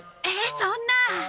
えっそんな。